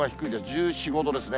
１４、５度ですね。